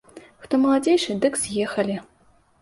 Хто маладзейшы, дык з'ехалі.